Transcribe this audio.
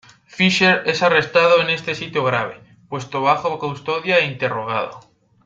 Fisher es arrestado en este sitio grave, puesto bajo custodia e interrogado.